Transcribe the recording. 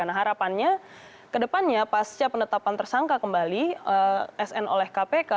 nah harapannya ke depannya pasca penetapan tersangka kembali sn oleh kpk